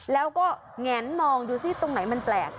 แล้วก็แงนมองดูสิตรงไหนมันแปลก